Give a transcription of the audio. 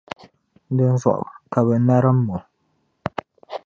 Dinzuɣu, ka bɛ narim o.